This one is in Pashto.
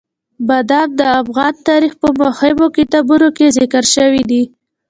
بادام د افغان تاریخ په مهمو کتابونو کې ذکر شوي دي.